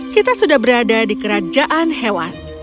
kita sudah berada di kerajaan hewan